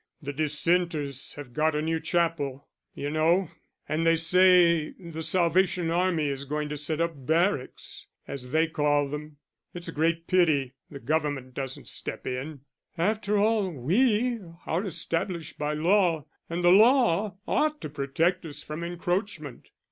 The dissenters have got a new chapel, you know and they say the Salvation Army is going to set up 'barracks' as they call them. It's a great pity the government doesn't step in: after all we are established by law and the law ought to protect us from encroachment."